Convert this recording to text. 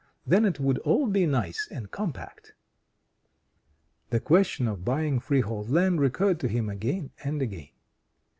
Then it would all be nice and compact." The question of buying freehold land recurred to him again and again.